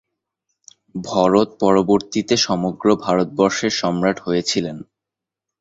ভরত পরবর্তিতে সমগ্র ভারতবর্ষের সম্রাট হয়েছিলেন।